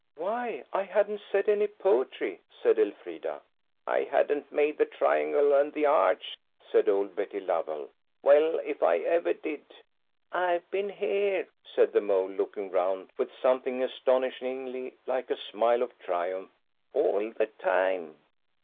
"Why, I hadn't said any poetry," said Elfrida. "I hadn't made the triangle and the arch," said old Betty Lovell. "Well, if ever I did!" "I've been here," said the mole, looking round with something astonishingly like a smile of triumph, "all the time.